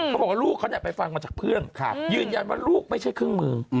เขาบอกว่าลูกเขาไปฟังมาจากเพื่อนยืนยันว่าลูกไม่ใช่เครื่องมือ